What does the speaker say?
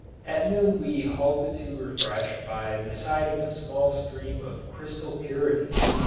At noon we halted to refresh by the side of a small stream of crystal purity.